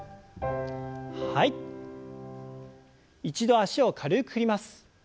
一度脚を軽く振ります。